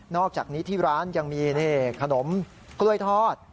อกจากนี้ที่ร้านยังมีขนมกล้วยทอด